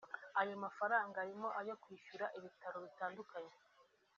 Ayo mafaranga arimo ayo kwishyura ibitaro bitandukanye